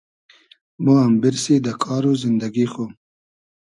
مۉ ام بیرسی دۂ کار و زیندئگی خو